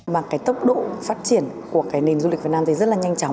mà cái tốc độ phát triển của cái nền du lịch việt nam thì rất là nhanh chóng